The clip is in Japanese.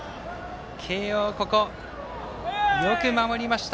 慶応、ここよく守りました。